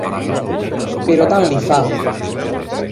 Però tant li fa.